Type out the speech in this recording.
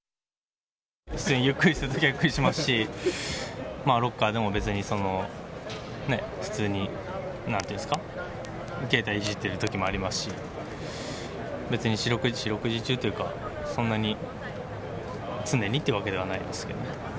ゆっくりするときはゆっくりしますし、ロッカーでも別に、普通になんて言うんですか、携帯いじってるときもありますし、別に四六時中というか、そんなに、常にってわけではないですけどね。